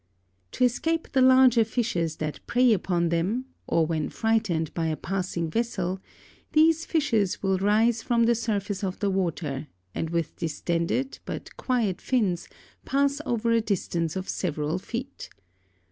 To escape the larger fishes that prey upon them, or when frightened by a passing vessel, these fishes will rise from the surface of the water and with distended but quiet fins pass over a distance of several feet.